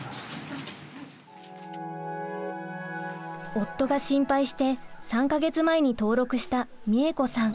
夫が心配して３か月前に登録したみえ子さん。